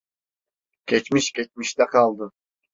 Geçmiş geçmişte kaldı.